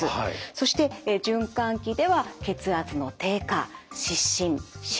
そして循環器では血圧の低下失神失禁。